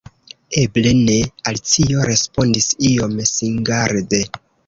"Eble ne," Alicio respondis iom singarde